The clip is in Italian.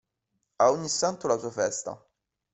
A ogni santo la sua festa.